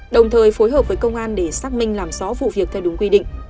đồng thời phối hợp với công an để xác minh làm rõ vụ việc theo đúng quy định